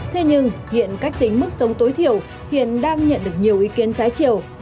thế nhưng hiện cách tính mức sống tối thiểu hiện đang nhận được nhiều ý kiến trái chiều